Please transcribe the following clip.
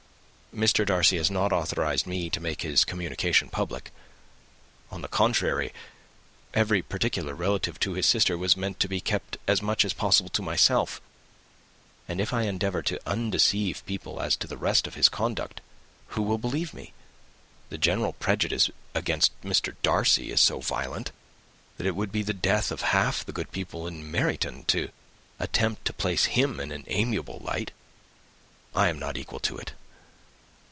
Mr. Darcy has not authorized me to make his communication public. On the contrary, every particular relative to his sister was meant to be kept as much as possible to myself; and if I endeavour to undeceive people as to the rest of his conduct, who will believe me? The general prejudice against Mr. Darcy is so violent, that it would be the death of half the good people in Meryton, to attempt to place him in an amiable light. I am not equal to it.